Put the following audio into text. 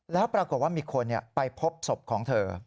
แล้วปรากฏว่ามีคนไปพบศพของเธอ